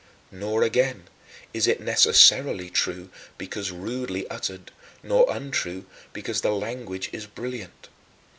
Nor, again, is it necessarily true because rudely uttered, nor untrue because the language is brilliant.